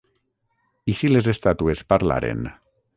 I si les estàtues parlaren?